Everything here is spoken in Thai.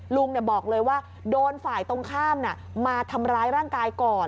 ลุงบอกเลยว่าโดนฝ่ายตรงข้ามมาทำร้ายร่างกายก่อน